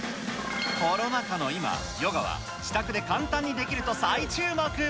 コロナ禍の今、ヨガは自宅で簡単にできると再注目。